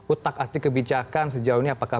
utak atik kebijakan sejauh ini apakah